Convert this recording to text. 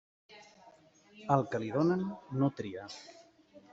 Al que li donen, no tria.